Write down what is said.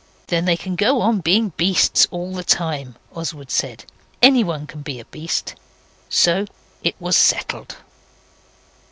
'Then they can go on being beasts all the time,' Oswald said. 'Anyone can be a beast.' So it was settled.